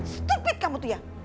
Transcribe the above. stupid kamu tuh ya